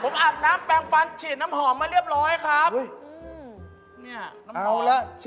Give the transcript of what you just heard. ผมอาบน้ำแปลงฟันฉีดน้ำหอมมาเรียบร้อยครับ